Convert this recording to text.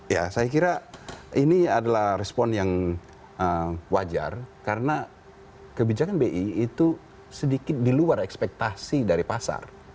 ya saya kira ini adalah respon yang wajar karena kebijakan bi itu sedikit di luar ekspektasi dari pasar